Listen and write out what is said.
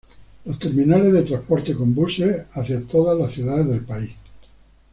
Los terminales de transportes con buses hacia todas las ciudades del país.